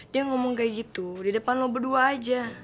dia ngomong kayak gitu di depan lo berdua aja